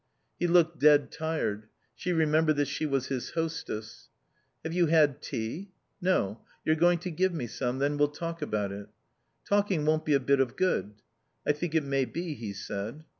He looked dead tired. She remembered that she was his hostess. "Have you had tea?" "No. You're going to give me some. Then we'll talk about it." "Talking won't be a bit of good." "I think it may be," he said.